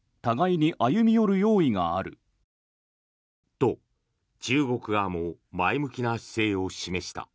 と、中国側も前向きな姿勢を示した。